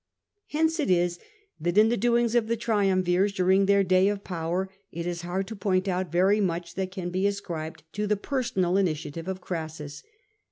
Hence it is that in the doings of the triumvirs dur ing their day of power, it is hard to point out very much that can be ascribed to the personal initiative of Crassus.